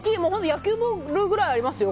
野球ボールぐらいありますよ。